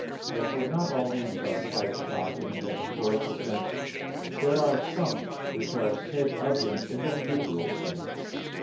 Therefore not all names are applied to God in a metaphorical sense, but there are some which are said of Him in their literal sense.